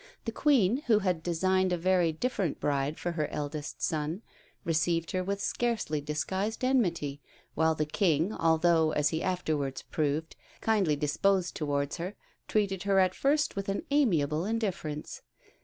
The Queen, who had designed a very different bride for her eldest son, received her with scarcely disguised enmity, while the King, although, as he afterwards proved, kindly disposed towards her, treated her at first with an amiable indifference.